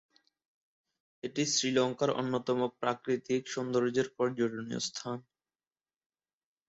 এটি শ্রীলঙ্কার অন্যতম প্রাকৃতিক সৌন্দর্যের পর্যটনীয় স্থান।